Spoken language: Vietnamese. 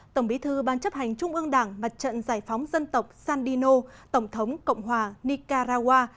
tổng bí thư ban chấp hành trung ương đảng mặt trận giải phóng dân tộc sandino tổng thống cộng hòa nicaragua